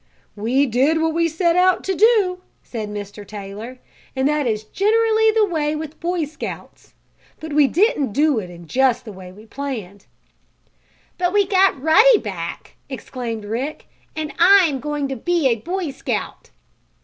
"We did what we set out to do," said Mr. Taylor, "and that is generally the way with Boy Scouts. But we didn't do it in just the way we planned." "But we got Ruddy back!" exclaimed Rick, "and I'm going to be a Boy Scout!"